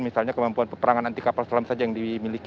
misalnya kemampuan peperangan anti kapal selam saja yang dimiliki